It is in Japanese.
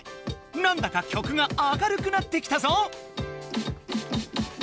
なんだか曲が明るくなってきたぞ！